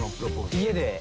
家で。